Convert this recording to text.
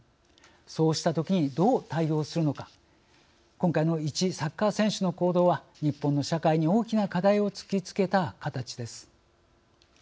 そうしたときにどう対応するのか今回の一サッカー選手の行動は日本の社会に大きな課題を突きつけた形です。